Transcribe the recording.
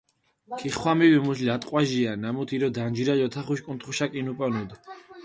ქიხვამილუ მუშ ლატყვაჟია, ნამუთ ირო დანჯირალ ოთახუშ კუნთხუშა კინუპონუდუნ.